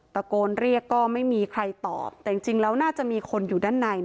ตะโกนเรียกก็ไม่มีใครตอบแต่จริงแล้วน่าจะมีคนอยู่ด้านใน